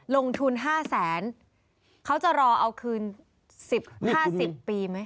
ลงทุน๕แสนเขาจะรอเอาคืน๑๐๕๐ปีไหม